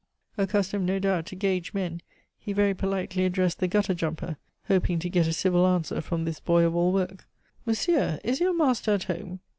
Accustomed, no doubt, to gauge men, he very politely addressed the gutter jumper, hoping to get a civil answer from this boy of all work. "Monsieur, is your master at home?"